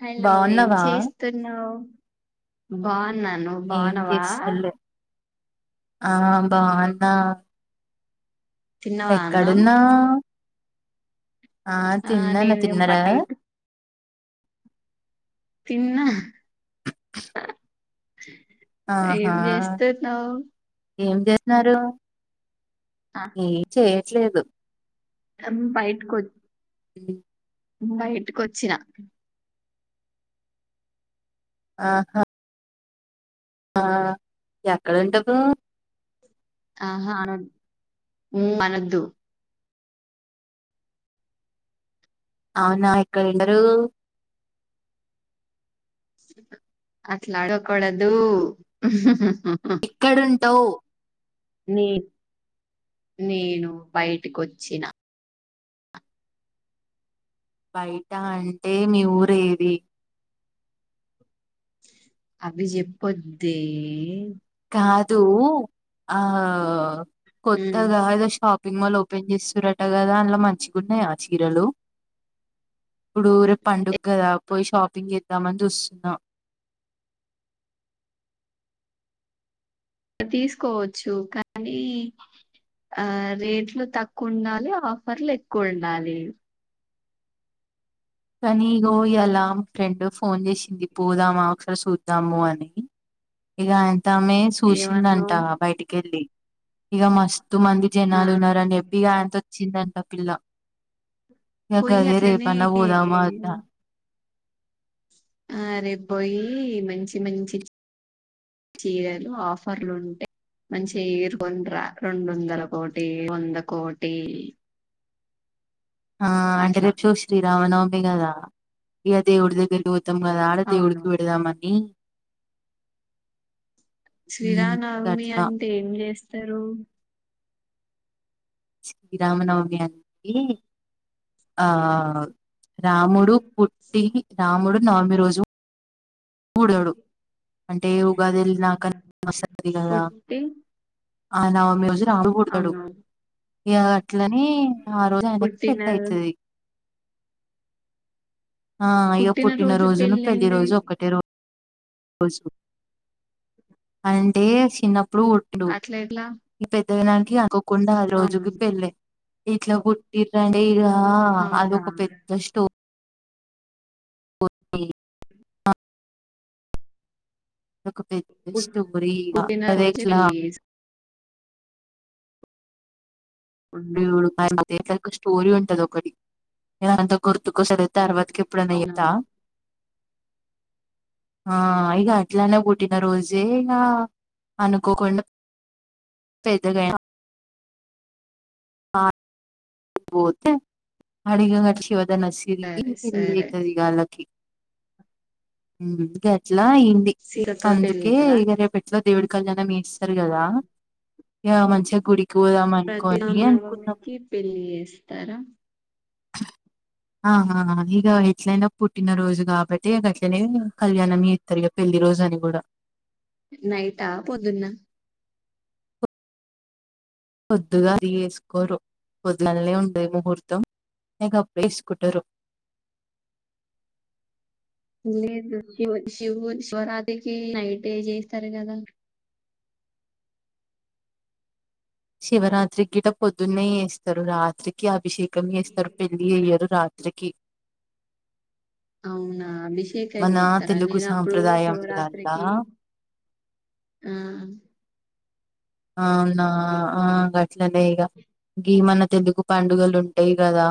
Hello ఏం బాగున్నావా చేస్తున్నావ్! బాన్ న్నాను. నువ్ ఏం బావున్నావా. చేస్తలే ఆ బావున్నా తిన్నవా అన్నం ఎక్కడున్నావ్? ఆ తిన్నన్. నేను ఏం తిన్నారా? బయటకు తిన్నా. ఆహా! ఏం చేస్తున్నావు ఏం చేస్తున్నారు? ఏం చేయ్ ట్లేదు ఆ బయటికో [inaudible] బయటకి వచ్చిన ఆహా ఆ ఎక్కడంటకు ఆహా అన అనద్దు అవునాయక్కడండరు అట్లాడుకడదు ఆహా [inaudible] నే నేను బయటికొచ్చిన బయట అంటే మీ ఊరేది అవి చెప్పొద్దె అదూ ఆ ఉమ్. కొత్తగా ఇదో షాపింగ్ మాల్ పని చేస్తుారట కదా అందులో మంచిగా ఉన్నాయా చీరలు ఇప్పుడు రేపు పండుగ కదా పోయి షాపింగ్ చేద్దామని చూస్తున్నా తీసుకోవచ్చు కానీ ఆ రేట్లు తక్కువ ఉండాలి ఆఫర్లు ఎక్కువ ఉండాలి కానీ ఇగో ఇలా ఫ్రెండ్ ఫోన్ చేసింది పోదామా ఒకసారి చూద్దాము అని ఇక ఆయన తమె చూసిందంట ఏమన్నావ్ బయటికి వెళ్ళి ఇక మస్తు మంది జనాలు ఆ ఉన్నారుని చెప్పి ఇక ఆయనంత చిిందంత పిల్ల ఎకా అదే రేపా అన్న పోదా ఏ ఆ రేపుపోయి మంచి మంచి చీరలు ఆఫర్లు ఉంటే మంచిగా ఏరుకొని రా రెండు వందల కోటి వంద కోటి ఆ అంటే రేపు చూసి రామనవమిగద ఇగ దేవుడుదగ్గరకి తమ్మ ఆడ అవును దేవుడికి పెడదామని శ్రీ మ్ రామనవమి గట్లా అంటే ఏం చేస్త స్థారు శ్రీరామనవమీ అంటే ఈ ఆ ఆ ఆ రాముడు పుట్టి రాముడు నమి రోజు ఊడోడు అంటే ఉగాది ఎల్లినాక వస్సది కదా పుట్టి ఆయన మ్యూజి రాలగొడుతాడు అవును ఇగ ప ఇట్లని ఆ రోజు ఆయనకి పుట్టిన పెద్ద అయితది ఆ అయ్యో పుట్టిన రోజు పుట్టినరోజును పెళ్లి పెళ్ళండి రోజు ఒక్కటే రో [inaudible] అంటే శిన్నప్పుడు పుట్టిండు అట్లా ఎట్లా ఇగ పెద్దగా అయినంక అనుకోకుండా అ రొ అవును రోజుకు పెళ్ళై ఇట్ల పుట్టిండని ఇగ ఆ అవునా అదొక పెద్ద స్టో రి ఒకో పెద్ద పుట్- స్టోరీ ఇగ పుట్టిన అదే రోజే ఇట్లా పెళ్లి చేసుకున్నారు దేవుడు కర్మ అ ఒక స్టోరీ ఉంటది ఒకటి అదంత గుర్తుకోస్త తర్వాత ఇంక ఎప్పుడన్న అవునా చేప్తా అ ఇగ అట్లనే పుట్టిన రోజే ఇగ అనుకోకుండా పె పెద్ద గా ఆ పోతే అడిగింట శివ దన సిరికి సరే పెళ్లి సరే అయితది ఇగ ఆళ్లకి హ్మ్ గట్ల ఇ సీతతో పెళ్లి అందుకే కదా ఇగ రేపెట్లో దేవుడి కల్యాణం మేస్తారు కదా ఇ మంచిగా గుడి పోదాం అనుకోని అనుకున్నాం ఇస్తారా ఆహా ఇక ఎట్లయినా పుట్టిన రోజు కాబట్టి ఇగ గట్లనే కళ్యాణం ఎత్తారు ఇగ పెళ్లి రోజు అని కూడా నైటా పోద్దున్నా పొద్దుగా అది ఎసుకోరు పొద్దుగాల్నే ఉంటది ముహూర్తం ఇగ గప్పుడే ఏసుకుంటరు లేదు శివ శివ్ శివరాత్రికి నైటే చేస్తారు కదా శివరాత్రి గిట పొద్దున్నే చేస్తారు రాత్రికి అభిషేక్ కం చేస్తారు పెళ్లి చెయ్యరు రా త్రికి అవునా బిష్ అభిషేక్ చేస్తారా తెలుగు నేను అప్పుడు శివరాత్రికి సాంప్రదాయంలల్లా ఆ అవునాట్లనే ఇక ఇ మన తెలుగు పండుగలు ఉ అయి కదా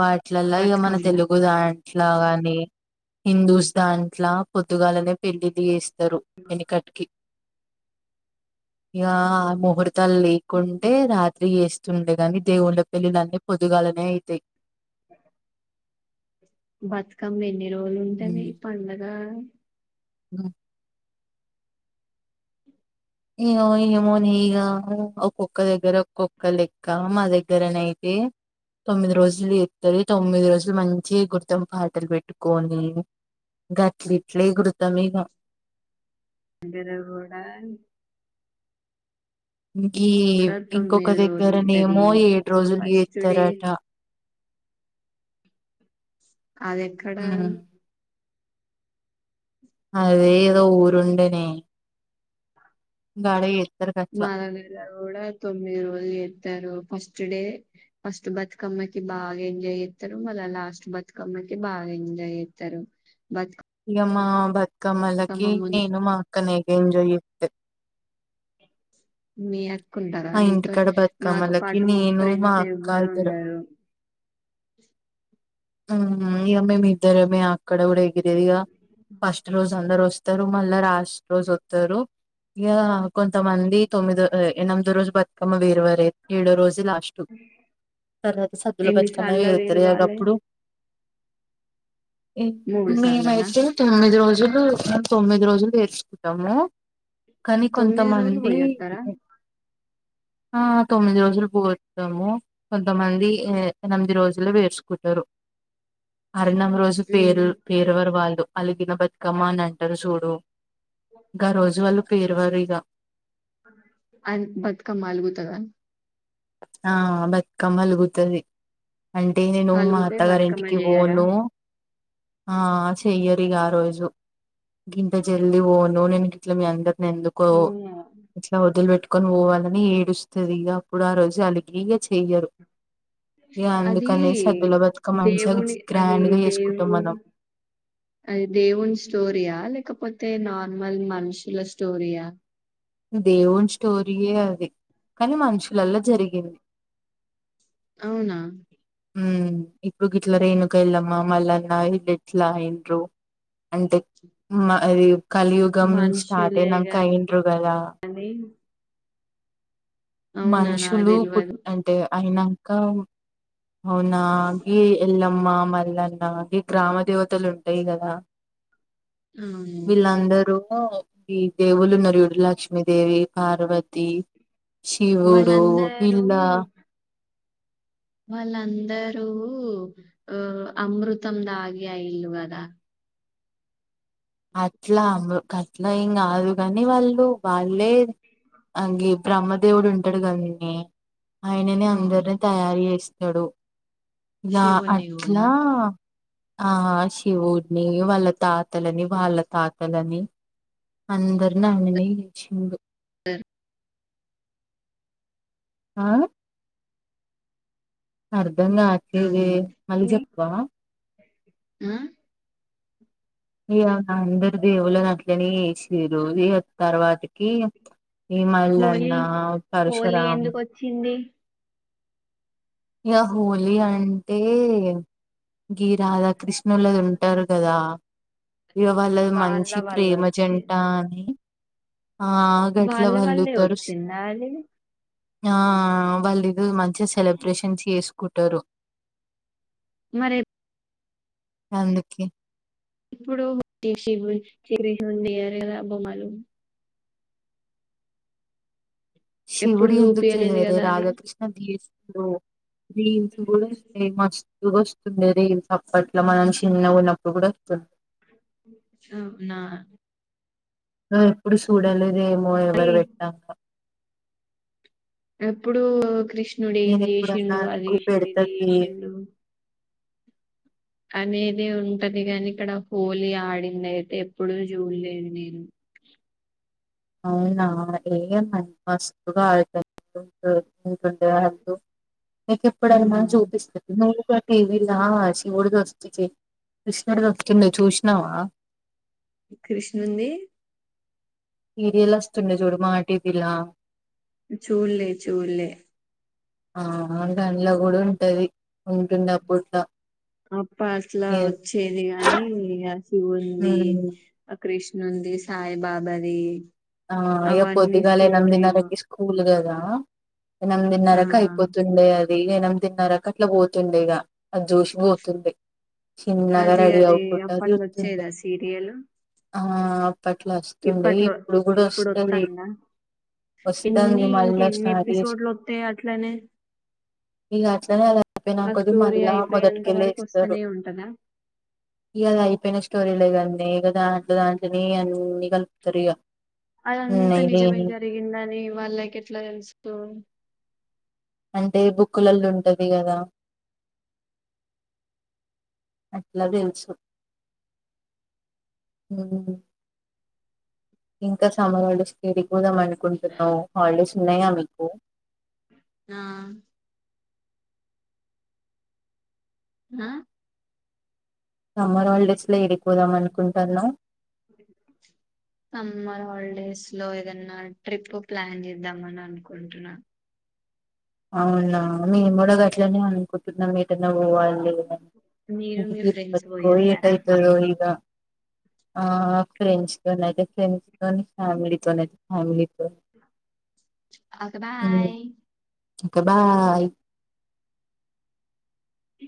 వాటిలలా ఇక మన బతుకమ్మన తెలుగు ద అట్లాగాని హిందూస్ దాంట్లా పొర్తుగాల్నే పెళ్లి తీస్త ఇద్దరు వెన్నికట్కి ముహూర్త లేకుంటే రాత్రి వేస్త ండే గాని దేవుళ్ళ పెళ్లిలన్నీ పొదుగాలనే అవుతాయి బతు కమ్ ఎ రోలుు ఉంటేవి ఈ పండగ బా ఇయ్య ఇ మోని ఒక్కొక్క దగ్గర ఒక్కొక్క లెక్క మా దగ్గరనయితే తొమ్మిది రోజులు ఎతుంది తొమ్మిది రోజులు మంచి గుర్తాం పాటలు పెట్టుకొని ఇం గ అట్లు ఇట్లే గుడతాం ఇక అంటేది కూడా ఇ కూడా ఇంకొక తొమ్మిది రోజులు దగ్గరనే ఉంటది ఏమో ఏడు రోజులు ఫస్ట్ డే ఇస్తారట అది ఎక్కడా అదే ఏదో ఊరుండనే గగాడ ఎ మాలగల కూడా తొమ్మిది రోజులు ఎస్తారు ఫస్ట్ ఫట్ డే ఫస్ట్ బతుకమ్మి బాగా ఎంజాయ్ చేస్తారు మళ్ళ లాస్ట్ బతుకమ్మ క బాగా ఎంజాయ్ చేస్తారుతు ఇకమ్మా బత్ కమలకి ముందు నేను మా అక్కనే కేంజయ మీ కుంటారా దీంతో నాతో బతుకమ్మలకి పాటు మా నేను ఫ్రెండ్స్ ఎవ్వరు ఉండరు అమెే మీద్దర అ ఆక్కడ ఉడై గిరేదిగా ఫస్ట్ రోజు అందరోజ వస్తారు మళ్ళా రాష్ట్రోస్ వతారు ఇ కొంతమంది తొమ్మిది ఎ రోజు బతుకమ్ వేర అయితే ఏజు లాస్ట్ తర్వాత సద్దుల ఎన్ని పచ్చకమ్మ సార్ల వేరు వాళ్ళే వేతరడుప్పుడు మూడు మీ సార్లనా మాైతే తొమ్మిది రోజు రజులు మం తొమ్మిది రోజులు చేేర్చుకుంటాము కానీ తొమ్మిది రోజులు కొంతమంది పోయొస్తారా ఆ తొమ్మిది రోజులు పోతాము కొంతమంది ఎనిమిది రోజుల్లో పేర్చుకుంటారు. అరణం రోజు పేర్ పేరవరు వాళ్ళు అలిగిన బతుకమ్మ అని అంటరు సూడు గ రోజు వాళ్ళు పేరువరిగా అం బతుకమ్మ అలుగుతదా ఆ బతుకమ్మ అలుగుతది. అంటే నేను మా అలుగుతే బతుకమ్మ అత్తగారింటికి చేయరా పోను. ఆ చెయ్యరిగా ఆ రోజు గింత జల్దీ పోను నేన్ గిట్ల మీ అందర్ ఎందుకో అవునా? ఇట్ల వదిల్పెట్ పోవాలని ఏడుస్తదిగ. అప్పుడు ఆ రోజు అలిగి ఇగ చెయ్యరు. ఇగ అది అందుకనేసి సద్దుల బతుకమ్మ మంచిగా దేవుని అది గ్రాండ్ గా చేసుకుంటాం దేవు మనం అది దేవుని స్టోరియా లేకపోతే అయితే నార్మల్ మనుషుల స్టోరీయా! దేవుని స్టోరీయే అది కానీ మనిషు లల్ల జరిగింది. అవునా. మ్ ఇప్పుడు గిట్ల రేణక ఎల్లమ్మ, మల్లన్న ఇల్ ఎట్లా అయిన్రు అంటే అది కలియుగం స్టార్ట్ మనుషులే అయినంక అయిన్రు కదా గాని అవునా? నాకు మనుషులు పుట్ తెలవదు. అంటే అయినంకా అవునా గీ ఎలమ్మా మల్లన్న గీ గ్రామ దేవతలు ఉంటయి కదా అవును. వీళ్ళందరూ ఈ దేవుళ్ళు ఉన్నరు చూడు లక్ష్ క్ష్మమిదేవి, పార్వతి. శివుడు. వాళ్ళందరూ పిల్లా వాళ్ళందరూ ఆ అమృతం దాగాయిల్లు గదా అట్ల అమ గట్ల ఏం కాదు కాని వాళ్ళు వాళ్ళే అంగి బ్రహ్మదేవుడు ఉంటడు కదానే ఆయననే అవును. అందర్నీ తయారు చేస్ సడు. ఇలా శివుణ్ణి గూడా. అట్లా ఆ శివుడ్ని వాళ్ళ తాతలని వాళ్ళ తాతలని అందర్ని ఉంద ఆయననే ఇచ్చిండు. ఆ అర్ధంగాట్లేదే అవును. మళ్ళీ చెప్పవా ఆ ఇగ అందరి దేవుళ్ళది అది. గాని చేషిర్రు ఇగా తర్వాతకి ఈ హోలీ మైళన్నా హోలీ పరశురాము ఎందుకొచ్చింది? ఇగా హోలీ అంటే గి రాధక్క కృష్ణులది ఉంటారు గాదా ఇక వాళ్ళది వాళ్ళ మంచి వల్ల ప్రేమ జంట వచ్చింది. అని ఆ గట్ల వాళ్ళ వాళ్ళూ వల్లే తరు వచ్చిందా అది? ఆ వాళ్ళ ఇగా మంచిగా సెలబ్ ప్రసించి చేసుకుంటారు. మరి అందుకే ఇప్పుడు [unintelligible] ఏయర్గా బొమ్మలు ఎప్పుడు శివుడి ఎందుకు చూపియలేదు చేయారే కదా అది రాధాకృష్ణ దీస్ ఓ బిమ్స్ కూడా ఫెమస్ తెగ వస్తున్నయి. రీల్స్ అప్పట్ల మనం చిన్నగా ఉన్నప్పుడు కూడా వస్తున్నయి. స నా ఆ ఎప్పుడు చూడాలే ఏమో అది ఎవరు వెట్టాంగా ఎప్పుడు కృష్ణ కృష్ణుడు ఏం నేను ఎప్పుడన్నా చేసిండు అది నీకు చేసిండు పెడతా ఇది తీ చేసిండు. అనేది ఉంటది. గాని ఇక్కడ హోలీ ఆడిన్నా అయితే ఎప్పుడూ చూడలేదు. నేను అవునా ఏ మ మాస్తుగా [unintelligible] నీకు ఆ, ఎప్పుడన్న మా చూపిస్త [unintelligible] ఇ టీవీలా శివుడికి వస్తు కృష్ణుడికి వస్తుంది. చూసినావా కృష్ణుంది. సీరియల్ వస్తుండే చూడు మా టివి లా చూల్లే చూల్లే ఆ దండ్లో కూడా ఉంటది. ఉంటుండప్పట్లా అప్పట్లా వచ్చేది గాని ఆ శివుంది. ఉమ్ కృష్ణుంది. సాయిబాబాది ఆ ఇగా అవన్నీ పొద్దుగాల స్టోరీలు ఎనందిన్నరకి స్కూల్ గాదా ఆ ఎనందిన్నరకూ ఆ అయిపోతుండే. అది ఎనందిన్నరకూ అట్లా పోతుండే ఇక అది జూసి పోతుంది చిన్నగా అది రెడీ అది అవ్వకుండా అది అప్పట్లో వస్తుంది వచ్చేదా సీరియల్ ఆ పట్ల వస్తుండ ఇప్పుడోస్తాడా వస్తుంది ఎన్ని ఇంక మళ్ళా ఎన్ని స్టార్ట్ చేసి ఎపిసోడ్లు వస్తాయి అట్లనే ఇగ అట్లాని ఆ అయిపోయినాకది స్టోరీ మళ్ళా అయిపోయేంత మొదటికెళ్ళ వరకు ఇస్తారు వస్తూనే ఉంటదా ఇకలా అయిపోయిన స్టోరలగ కదా అంట దాంటనే అన్ని కలుపుతారు ఇక అదంతా నిజమై జరిగిందని వాళ్ళకి ఎట్లా తెలుసు అంటే బుక్కులల్లో ఉంటది కదా అట్లా తెలుసు ఇంకా సమ్మర్ హాలిడేస్ తిరి కూదాం అనుకుంటున్నాం హాలిడేస్ ఉన్నాయా మీకు ఆ ఆ సమ్మర్ హాలిడేస్ లో ఎడికి పోదాం అని కుంటానవ్ సమ్మర్ హాలిడేస్ లో ఏదన్నా ట్రిప్ ప్లాన్ చేద్దామని అనుకుంటున్నా అవునా మేం కూడా గట్లనే అనుకుంటున్నాం ఏటనా పోవలీ మీరు మీ ద ఫ్రెండ్స్ కో పోయొత్తారా ఏటాయితారు ఈగ [inaudible] ఆ ఫ్రెండ్ త అయితే ఫ్రెండ్ త ఫ్యామిలీతో అతే ఫ్యామిలీతోనీ ఓకే బాయ్ ఒకే బాయ్ ఉ